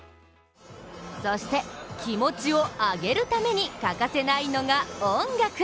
そして気持ちを上げるために欠かせないのが音楽。